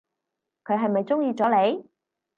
佢係咪中意咗你？